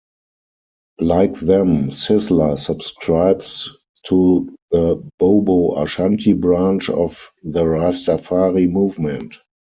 Like them Sizzla subscribes to the Bobo Ashanti branch of the Rastafari movement.